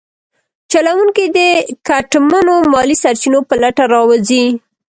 چلونکي یې د ګټمنو مالي سرچینو په لټه راوځي.